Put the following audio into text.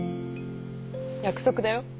約束だよ。